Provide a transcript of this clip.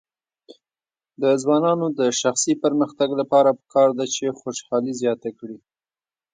د ځوانانو د شخصي پرمختګ لپاره پکار ده چې خوشحالي زیاته کړي.